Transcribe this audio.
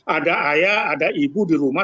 ada ayah ada ibu di rumah